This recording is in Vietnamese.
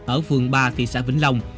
ở phường ba thị xã vĩnh long